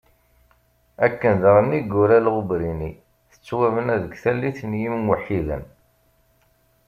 Akken dɣa i yura Lɣubrini, tettwabna deg tallit n yimweḥḥiden.